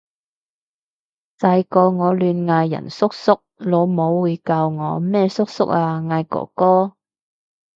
細個我亂嗌人叔叔，老母會教我咩叔叔啊！嗌哥哥！